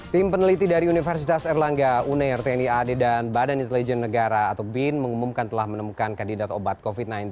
tim peneliti dari universitas erlangga uneir tni ad dan badan intelijen negara atau bin mengumumkan telah menemukan kandidat obat covid sembilan belas